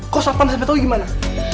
kok satan sampe tau gimana